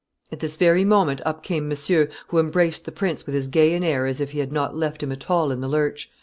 At this very moment up came Monsieur, who embraced the prince with as gay an air as if he had not left him at all in the lurch.